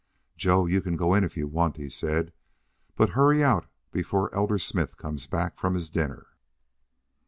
"Joe, you can go in if you want," he said. "But hurry out before Elder Smith comes back from his dinner."